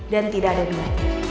dan tidak ada duanya